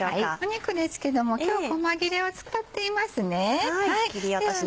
肉ですけども今日細切れを使っていますね。